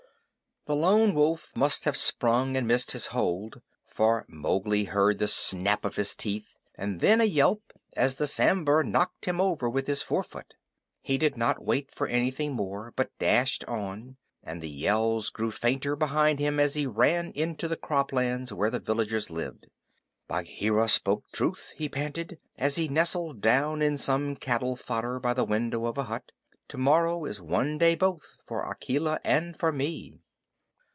The Lone Wolf must have sprung and missed his hold, for Mowgli heard the snap of his teeth and then a yelp as the Sambhur knocked him over with his forefoot. He did not wait for anything more, but dashed on; and the yells grew fainter behind him as he ran into the croplands where the villagers lived. "Bagheera spoke truth," he panted, as he nestled down in some cattle fodder by the window of a hut. "To morrow is one day both for Akela and for me."